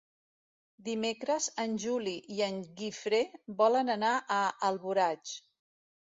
Dimecres en Juli i en Guifré volen anar a Alboraig.